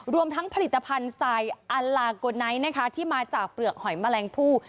รวมทั้งผลิตภัณฑ์ทรายอัลลาโกไนท์นะคะที่มาจากเปลือกหอยแมลงผู้